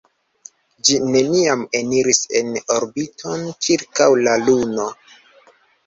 Ĝi neniam eniris en orbiton ĉirkaŭ la Luno.